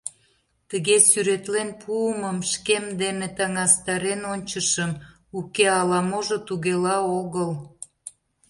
Тыге сӱретлен пуымым шкем дене таҥастарен ончышым — уке, ала-можо тугела огыл.